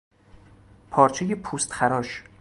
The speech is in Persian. پارچهی پوستخراش